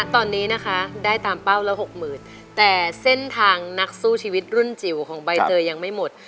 ตอนนี้นะคะได้ตามเป้าละ๖๐๐๐แต่เส้นทางนักสู้ชีวิตรุ่นจิ๋วของใบเตยยังไม่หมด